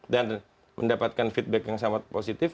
dan mendapatkan feedback yang sangat positif